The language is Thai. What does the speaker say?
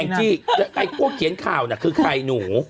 จี้ไอ้พวกเขียนข่าวน่ะคือใครหนู